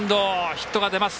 ヒットが出ます。